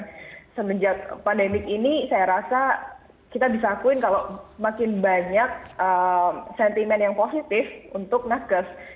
nah semenjak pandemi ini saya rasa kita bisa akuin kalau makin banyak sentimen yang positif untuk nakes